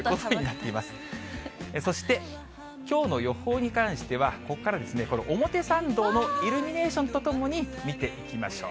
そしてきょうの予報に関しては、ここからですね、これ、表参道のイルミネーションとともに見ていきましょう。